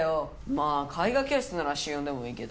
まぁ絵画教室なら週４でもいいけど。